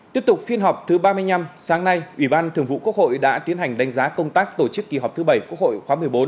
tiếp tục phiên họp thứ ba mươi năm sáng nay ủy ban thường vụ quốc hội đã tiến hành đánh giá công tác tổ chức kỳ họp thứ bảy quốc hội khóa một mươi bốn